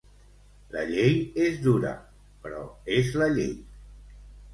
La llei és dura, però és la llei.